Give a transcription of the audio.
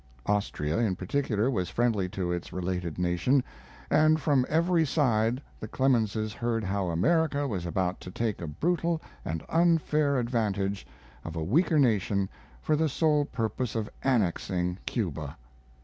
Austria, in particular, was friendly to its related nation; and from every side the Clemenses heard how America was about to take a brutal and unfair advantage of a weaker nation for the sole purpose of annexing Cuba.